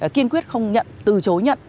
kiên quyết không nhận từ chối nhận